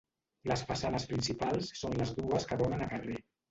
Les façanes principals són les dues que donen a carrer.